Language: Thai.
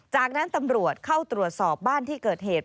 จากนั้นตำรวจเข้าตรวจสอบบ้านที่เกิดเหตุ